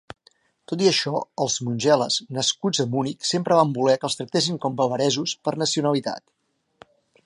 Tot i això, els Montgelas, nascuts a Munic, sempre van voler que els tractessin com bavaresos per nacionalitat.